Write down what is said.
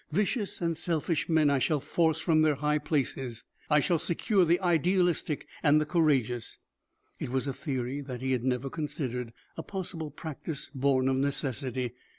Vicious and selfish men I shall force from their high places. I shall secure the idealistic and the courageous." It was a theory he had never considered, a possible practice born of necessity.